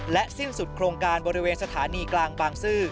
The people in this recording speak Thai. สิ้นสุดโครงการบริเวณสถานีกลางบางซื่อ